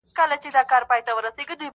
نه، نه! اور د ژوندانه سي موږ ساتلای٫